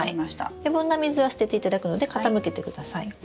余分な水は捨てていただくので傾けてください。